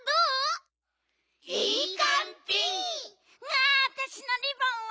ねえわたしのリボンは？